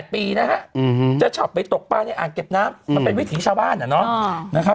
๘ปีนะฮะจะชอบไปตกปลาในอ่างเก็บน้ำมันเป็นวิถีชาวบ้านนะครับ